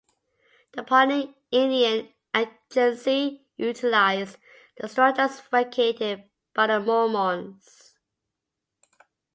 The Pawnee Indian Agency utilized the structures vacated by the Mormons.